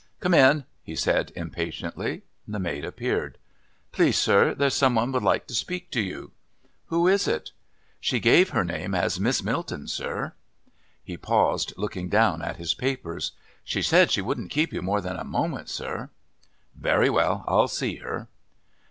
"Come in," he said impatiently. The maid appeared. "Please, sir, there's some one would like to speak to you." "Who is it?" "She gave her name as Miss Milton, sir." He paused, looking down at his papers. "She said she wouldn't keep you more than a moment, sir." "Very well. I'll see her."